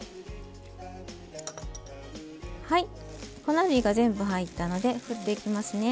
粉類が全部入ったので振っていきますね。